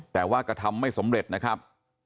แต่ว่ากระทำไม่สำเร็จนะครับ